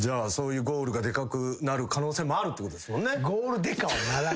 ゴールがでかくなる可能性もあるってことですもんね。